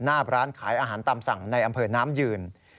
หน้าร้านขายอาหารตามสั่งในอำเภอน้ำยืน